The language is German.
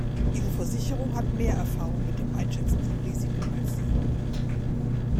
Ihre Versicherung hat mehr Erfahrung mit dem Einschätzen von Risiken als Sie.